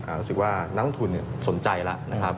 รู้สึกว่านักลงทุนสนใจแล้ว